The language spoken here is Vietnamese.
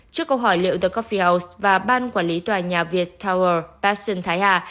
trước câu hỏi liệu the coffee house và ban quản lý tòa nhà việt tower bác sơn thái hà